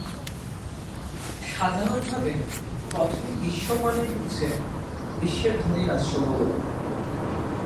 সাধারণভাবে, প্রথম বিশ্ব মানে হচ্ছে বিশ্বের ধনী রাষ্ট্রগুলো।